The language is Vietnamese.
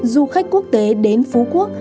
du khách quốc tế đến phú quốc